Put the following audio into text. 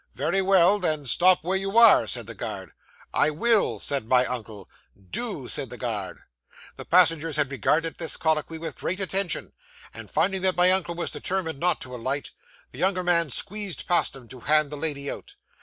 '"Very well, then stop where you are," said the guard. '"I will," said my uncle. '"Do," said the guard. 'The passengers had regarded this colloquy with great attention, and, finding that my uncle was determined not to alight, the younger man squeezed past him, to hand the lady out.